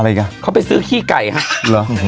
อะไรกันเขาไปซื้อขี้ไก่ครับเหรอ